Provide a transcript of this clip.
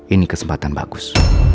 ini kesempatan bagus